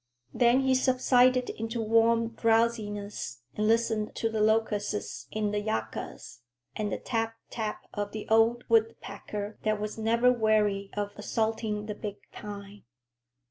Then he subsided into warm drowsiness and listened to the locusts in the yuccas, and the tap tap of the old woodpecker that was never weary of assaulting the big pine.